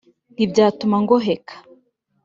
ntibyatuma ngoheka